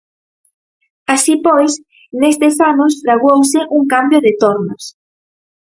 Así pois, nestes anos fraguouse un cambio de tornas.